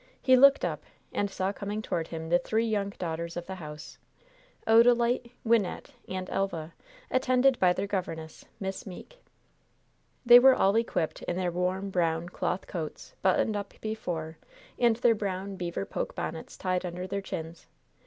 He looked up, and saw coming toward him the three young daughters of the house Odalite, Wynnette and Elva, attended by their governess, Miss Meeke. They were all equipped in their warm, brown cloth coats, buttoned up before, and their brown, beaver poke bonnets tied under their chins.